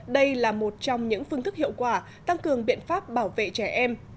đây là một trong những phương thức hiệu quả tăng cường biện pháp bảo vệ trẻ em